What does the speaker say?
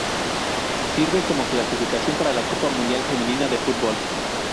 Sirve como clasificación para la Copa Mundial Femenina de Fútbol.